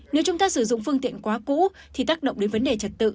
nếu chúng ta sử dụng phương tiện quá cũ thì tác động đến vấn đề trật tự